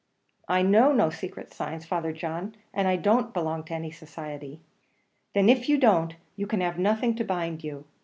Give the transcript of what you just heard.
"I know no secrets or signs, Father John, and I don't belong to any society." "Then, if you don't, you can have nothing to bind you.